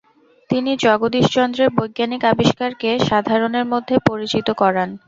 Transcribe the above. তিনি জগদীশচন্দ্রের বৈজ্ঞানিক আবিষ্কারকে সাধারণের মধ্যে পরিচিত করান।